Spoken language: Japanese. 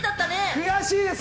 悔しいです。